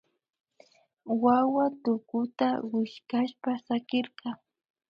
Wawa tukuta wichkashpa sakirka